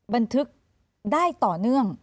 บันทึกได้ต่อเนื่อง